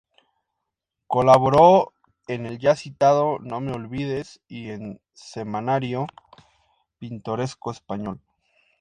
Colaboró en el ya citado "No me olvides" y en "Semanario Pintoresco Español".